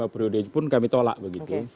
lima priode pun kami tolak begitu